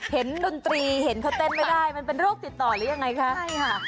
ดนตรีเห็นเขาเต้นไม่ได้มันเป็นโรคติดต่อหรือยังไงคะใช่ค่ะ